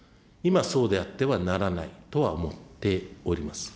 今、そうであってはならないとは思っております。